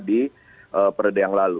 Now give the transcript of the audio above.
di perode yang lalu